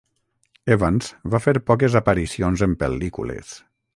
Evans va fer poques aparicions en pel·lícules.